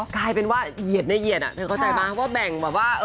กลายเป็นว่าเหยียดในเหยียดเธอเข้าใจไหมว่าแบ่งแบบว่า